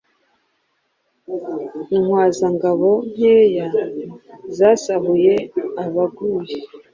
Intwazangabo nkeya zasahuye abaguye